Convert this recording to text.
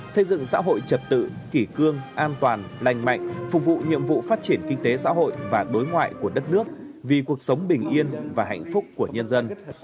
xây dựng xã hội trật tự kỷ cương an toàn lành mạnh phục vụ nhiệm vụ phát triển kinh tế xã hội và đối ngoại của đất nước vì cuộc sống bình yên và hạnh phúc của nhân dân